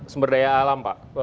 sember daya alam pak